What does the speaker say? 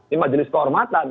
ini majelis kehormatan